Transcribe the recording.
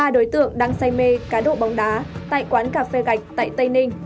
ba đối tượng đang say mê cá độ bóng đá tại quán cà phê gạch tại tây ninh